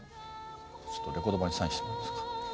ちょっとレコード盤にサインしてもらえますか？